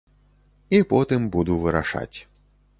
І потым буду вырашаць.